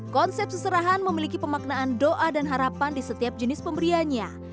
konsep seserahan memiliki pemaknaan doa dan harapan di setiap jenis pemberiannya